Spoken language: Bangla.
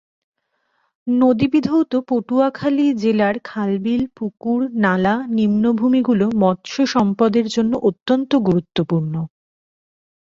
নদী বিধৌত পটুয়াখালী জেলার খাল-বিল, পুকুর, নালা, নিম্নভূমি গুলো মৎস্য সম্পদের জন্য অত্যন্ত গুরুত্বপূর্ণ।